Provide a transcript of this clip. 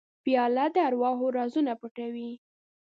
پیاله د ارواحو رازونه پټوي.